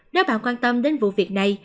nếu bạn quan tâm đến vụ việc này